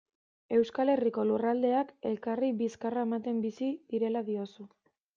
Euskal Herriko lurraldeak elkarri bizkarra ematen bizi direla diozu.